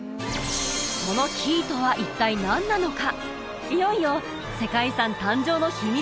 そのキーとは一体何なのか？